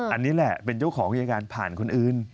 อันนี้แหละเป็นเจ้าของอายการผ่านคนอื่น